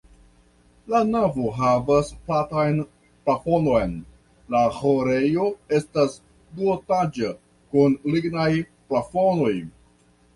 La navo havas platan plafonon, la ĥorejo estas duetaĝa kun lignaj plafonoj.